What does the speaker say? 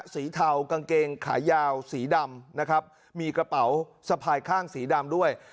เทากางเกงขายาวสีดำนะครับมีกระเป๋าสะพายข้างสีดำด้วย